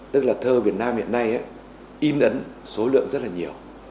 tức là thơ việt nam hiện nay in ấn số lượng rất là nhiều